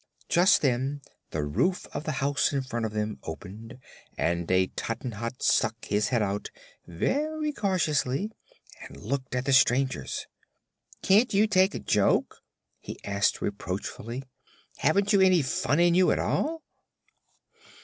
Just then the roof of the house in front of them opened and a Tottenhot stuck his head out, very cautiously, and looked at the strangers. "Can't you take a joke?" he asked, reproachfully; "haven't you any fun in you at all?"